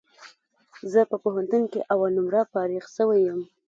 زه په پوهنتون کي اول نمره فارغ سوی یم